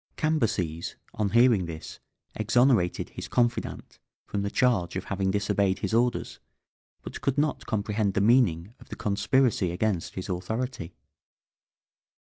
Cambyses, on hearing this, exonerated his confidant from the charge of having disobeyed his orders, but could not comprehend the meaning of the conspiracy against his authority.